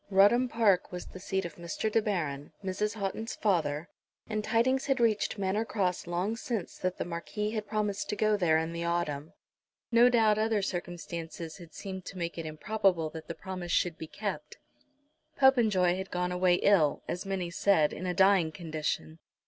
Rudham Park was the seat of Mr. De Baron, Mrs. Houghton's father, and tidings had reached Manor Cross long since that the Marquis had promised to go there in the autumn. No doubt other circumstances had seemed to make it improbable that the promise should be kept. Popenjoy had gone away ill, as many said, in a dying condition.